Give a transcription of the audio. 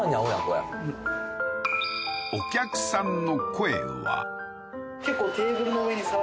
これお客さんの声は？